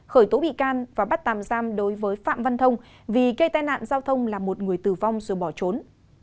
khởi tố bị can và bắt tạm giam đối với phạm văn thông vì gây tai nạn giao thông là một người tử vong rồi bỏ trốn